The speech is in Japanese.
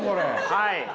はい。